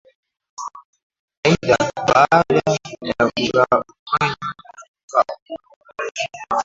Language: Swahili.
Aidha baada ya kugawanywa kwa Mkoa wa Arusha